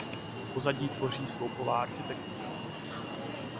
Pozadí tvoří sloupová architektura.